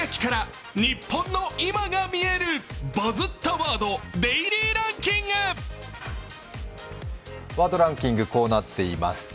ワードランキング、こうなっています。